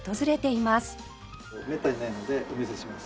めったにないのでお見せします。